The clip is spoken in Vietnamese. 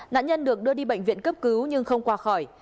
nạn nhân được đưa đi bệnh viện cấp cứu nhưng không qua khỏi